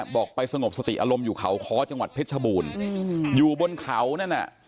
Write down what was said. ไปสงบสติอารมณ์อยู่เขาค้อจังหวัดเพชรชบูรณ์อยู่บนเขานั่นน่ะ